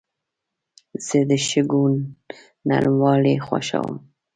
زه د شګو نرموالي خوښوم.